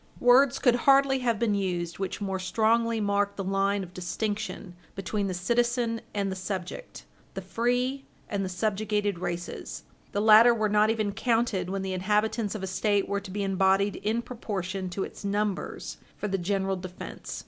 Words could hardly have been used which more strongly mark the line of distinction between the citizen and the subject the free and the subjugated races. The latter were not even counted when the inhabitants of a State were to be embodied in proportion to its numbers for the general defence.